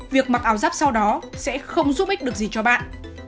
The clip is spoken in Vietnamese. việc mặc áo giáp sau đó sẽ không giúp ích được gì cho bạn